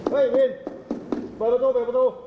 เฮ้ยวินเปิดประตู